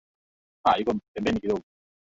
adhabu ya milele kadiri ya imani na matendo yao